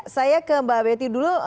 saya ke mbak betty dulu